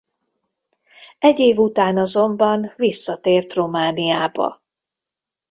Egy év után azonban visszatért Romániába.